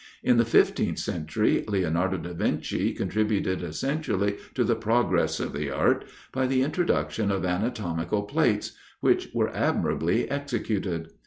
In the 15th century, Leonardo da Vinci contributed essentially to the progress of the art, by the introduction of anatomical plates, which were admirably executed.